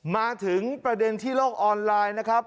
มาถึงประเด็นที่โลกออนไลน์นะครับ